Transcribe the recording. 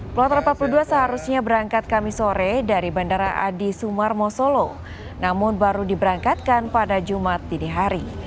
kloter empat puluh dua seharusnya berangkat kami sore dari bandara adi sumarmo solo namun baru diberangkatkan pada jumat dini hari